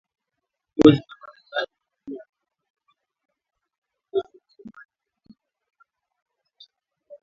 Vikosi vya Marekani vimekuwa vikifanya kazi kwa miaka mingi na vikosi vya Somalia katika juhudi zao za kuwadhibiti al-Shabaab.